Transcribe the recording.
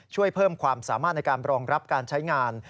ช่วยเพิ่มความสามารถในการรองรับการใช้งาน